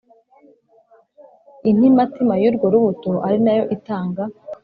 intimatima y urwo rubuto ari na yo itanga